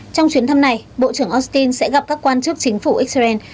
trong chuyến thăm này bộ trưởng austin sẽ gặp các quan chức chính phủ israel